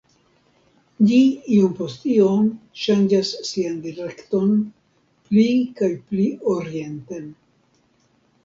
Ĝi iom post iom ŝanĝas sian direkton pli kaj pli orienten.